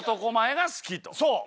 そう！